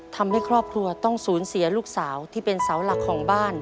ทำให้ครอบครัวต้องสูญเสียลูกสาวที่เป็นเสาหลักของบ้าน